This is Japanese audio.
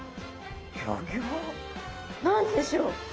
何でしょう！？